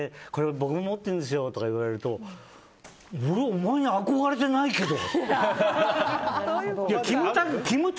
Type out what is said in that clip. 僕も持ってるんですよとか言われると俺お前に憧れてないけど？